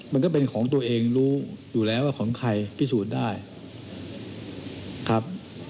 มันก็เป็นของตัวเองรู้อยู่แล้วว่าของใครพิสูจน์ได้ครับ